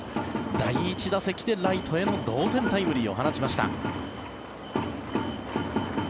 第１打席でライトへの同点タイムリーを放ちました。